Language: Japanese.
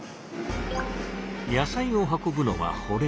野菜を運ぶのは保冷車。